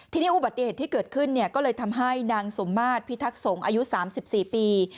ทีนี้อุบัติเหตุที่เกิดขึ้นก็เลยทำให้นางสมมาตรพิทักษงศ์อายุ๓๔ปี